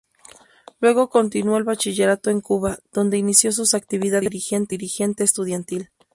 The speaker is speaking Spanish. Luego continuó el bachillerato en Cuba donde inició sus actividades como dirigente estudiantil.